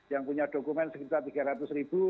yang punya dokumen sekitar tiga ratus ribu